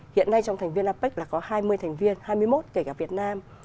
hiện nay trong thành viên apec là có hai mươi thành viên hai mươi một kể cả việt nam